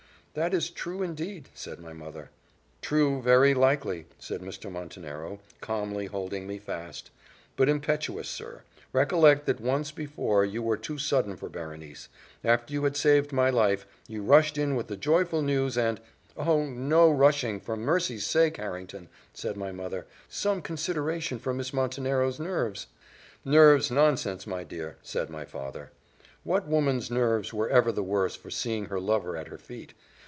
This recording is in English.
"That is true, indeed!" said my mother. "True very likely," said Mr. Montenero, calmly holding me fast. "But, impetuous sir, recollect that once before you were too sudden for Berenice: after you had saved my life, you rushed in with the joyful news, and " "Oh! no rushing, for mercy's sake, Harrington!" said my mother: "some consideration for Miss Montenero's nerves!" "Nerves! nonsense, my dear," said my father: "what woman's nerves were ever the worse for seeing her lover at her feet?